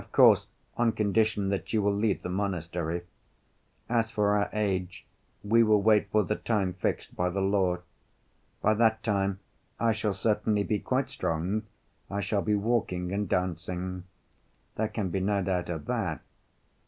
Of course, on condition that you will leave the monastery. As for our age we will wait for the time fixed by the law. By that time I shall certainly be quite strong, I shall be walking and dancing. There can be no doubt of that.